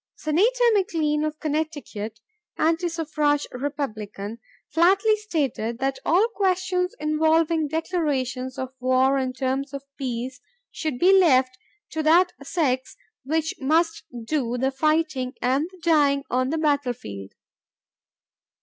Senator McLean of Connecticut, anti suffrage Republican, flatly stated "that all questions involving declarations of war and terms of peace should be left to that sex which must do the fighting and the dying on the battlefield."